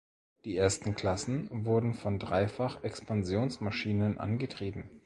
Die ersten Klassen wurden von Dreifach-Expansionsmaschinen angetrieben.